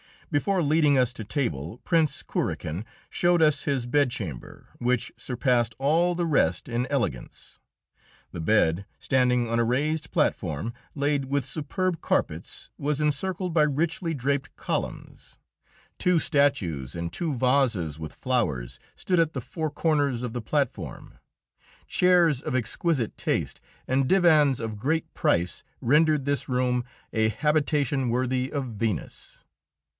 Before leading us to table Prince Kurakin showed us his bedchamber, which surpassed all the rest in elegance. The bed, standing on a raised platform laid with superb carpets, was encircled by richly draped columns. Two statues and two vases with flowers stood at the four corners of the platform; chairs of exquisite taste and divans of great price rendered this room a habitation worthy of Venus.